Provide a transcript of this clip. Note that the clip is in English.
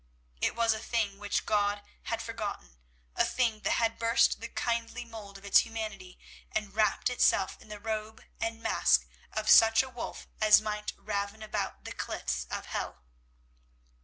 It was a thing which God had forgotten, a thing that had burst the kindly mould of its humanity, and wrapt itself in the robe and mask of such a wolf as might raven about the cliffs of hell.